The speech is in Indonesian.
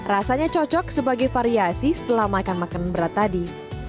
rasanya cocok sebagai variasi setelah makan makanan berat tadi